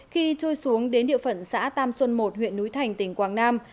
khi trôi xuống đến địa phận xã tam xuân một huyện núi thành tỉnh quảng nam